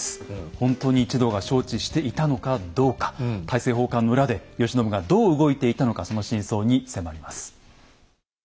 ほんとに一同が承知していたのかどうか大政奉還の裏で慶喜がどう動いていたのかその真相に迫ります。